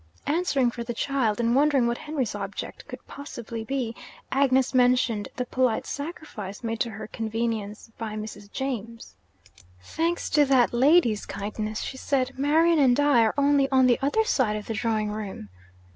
Answering for the child, and wondering what Henry's object could possibly be, Agnes mentioned the polite sacrifice made to her convenience by Mrs. James. 'Thanks to that lady's kindness,' she said, 'Marian and I are only on the other side of the drawing room.'